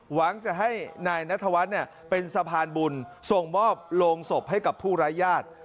หวังจะให้นายนัทวัฒน์เป็นสะพานบุญส่งมอบโรงศพให้กับผู้ร้ายญาติ